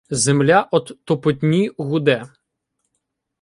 Земля од топотні гуде.